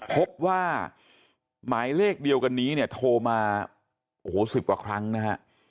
พบว่าหมายเลขเดียวกันนี้โทรมา๑๐กว่าครั้งนะฮะ